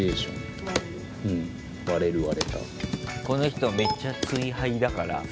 この人めっちゃツイ廃だから。